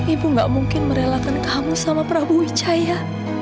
ibu gak mungkin merelakan kamu sama prabu wicaya